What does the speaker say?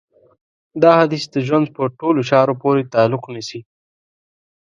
دا حديث د ژوند په ټولو چارو پورې تعلق نيسي.